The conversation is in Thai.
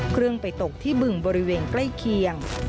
เครื่องไปตกที่บึงบริเวณใกล้เคียง